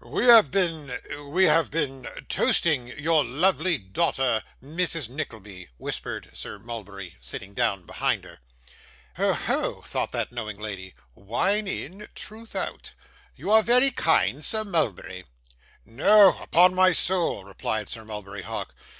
'We have been we have been toasting your lovely daughter, Mrs Nickleby,' whispered Sir Mulberry, sitting down behind her. 'Oh, ho!' thought that knowing lady; 'wine in, truth out. You are very kind, Sir Mulberry.' 'No, no upon my soul!' replied Sir Mulberry Hawk.